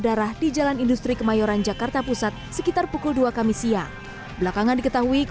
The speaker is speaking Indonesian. darah di jalan industri kemayoran jakarta pusat sekitar pukul dua kami siang belakangan diketahui